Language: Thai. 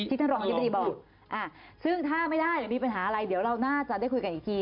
ท่านรองอธิบดีบอกซึ่งถ้าไม่ได้หรือมีปัญหาอะไรเดี๋ยวเราน่าจะได้คุยกันอีกที